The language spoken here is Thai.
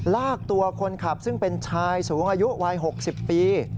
ลากตัวคนขับซึ่งเป็นชายสูงอายุวัย๖๐ปี